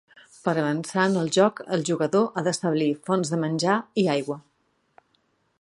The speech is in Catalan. Per avançar en el joc, el jugador ha d'establir fonts de menjar i aigua.